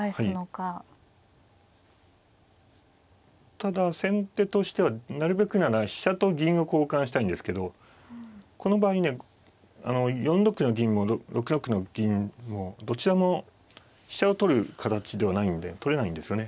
ただ先手としてはなるべくなら飛車と銀を交換したいんですけどこの場合ね４六の銀も６六の銀もどちらも飛車を取る形ではないんで取れないんですよね。